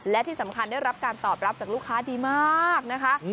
และที่สำคัญได้รับการตอบรับจากลูกค้าดีมากนะคะ